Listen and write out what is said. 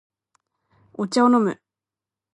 お茶を飲む